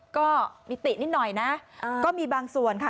ก็มีตินิดหน่อยนะก็มีบางส่วนค่ะ